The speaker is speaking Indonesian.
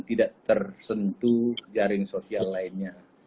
tidak tersentuh jaring sosial lainnya